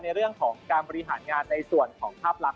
ในเรื่องของการบริหารงานในส่วนของภาพลักษ